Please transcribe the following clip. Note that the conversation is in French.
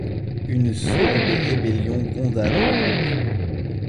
Une sourde rébellion gronda dans le groupe.